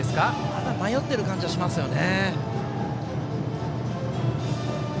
まだ迷ってる感じはしますよね。